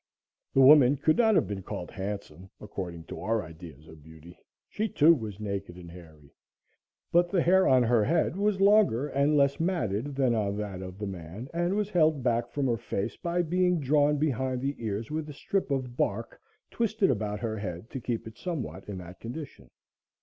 The woman could not have been called handsome, according to our ideas of beauty. She, too, was naked and hairy, but the hair on her head was longer and less matted than on that of the man, and was held back from her face by being drawn behind the ears with a strip of bark twisted about her head to keep it somewhat in that condition.